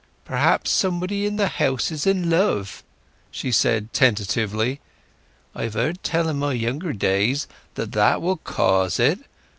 "Perhaps somebody in the house is in love," she said tentatively. "I've heard tell in my younger days that that will cause it.